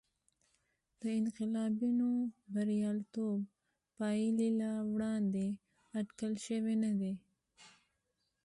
د انقلابینو بریالیتوب پایلې له وړاندې اټکل شوې نه وې.